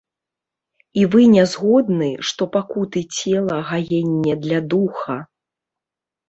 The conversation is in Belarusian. І вы не згодны, што пакуты цела гаенне для духа?